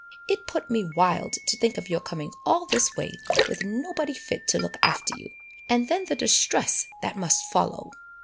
It put me wild to think of your coming all this way with nobody fit to look after you, and then the distress that must follow."